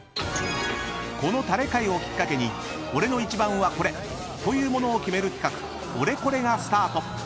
［このタレ回をきっかけに俺の一番はこれというものを決める企画オレコレがスタート］